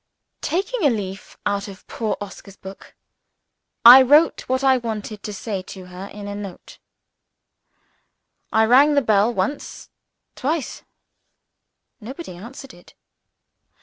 Taking a leaf out of poor Oscar's book, I wrote what I wanted to say to her in a note. I rang the bell once, twice. Nobody answered it.